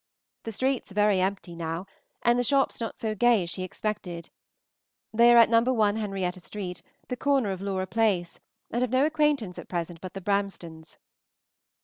The streets are very empty now, and the shops not so gay as she expected. They are at No. 1 Henrietta Street, the corner of Laura Place, and have no acquaintance at present but the Bramstons.